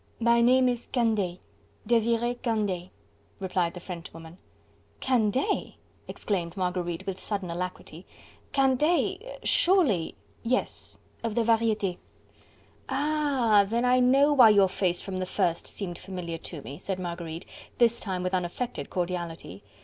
"My name is Candeille Desiree Candeille," replied the Frenchwoman. "Candeille?" exclaimed Marguerite with sudden alacrity, "Candeille... surely..." "Yes... of the Varietes." "Ah! then I know why your face from the first seemed familiar to me," said Marguerite, this time with unaffected cordiality.